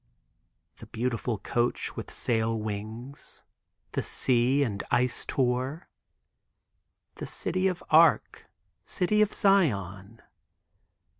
The beautiful coach, with sail wings, the sea and ice tour. The city of Arc, city of Zion!